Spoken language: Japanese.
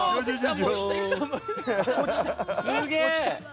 すげえ！